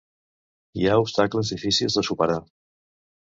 Hi ha obstacles difícils de superar.